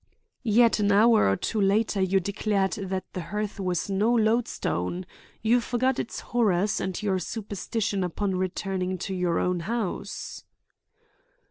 "Yet an hour or two later you declared that the hearth was no lodestone. You forgot its horrors and your superstition upon returning to your own house."